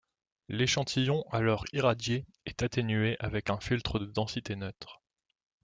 L’échantillon alors irradié est atténué avec un filtre de densité neutre.